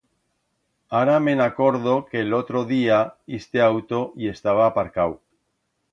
Ara me'n acordo que l'otro día iste auto i estaba aparcau.